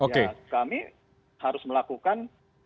ya kami harus melakukan